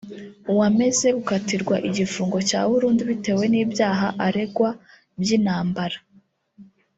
wameze gukatirwa igifungo cya burundu bitewe n’ibyaha aregwa by’intambara